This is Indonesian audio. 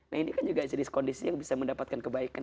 nah ini kan juga jenis kondisi yang bisa mendapatkan kebaikan